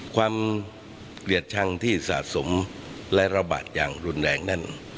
เกลียดชังที่สะสมและระบาดอย่างรุนแรงนั้น